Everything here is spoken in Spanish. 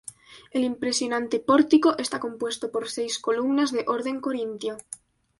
El impresionante pórtico está compuesto por seis columnas de orden corintio.